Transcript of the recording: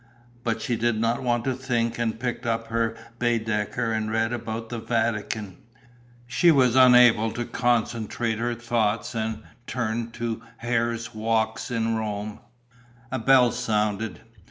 But she did not want to think and picked up her Baedeker and read about the Vatican. She was unable to concentrate her thoughts and turned to Hare's Walks in Rome. A bell sounded.